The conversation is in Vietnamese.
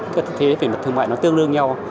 các thiết chế về mặt thương mại nó tương đương nhau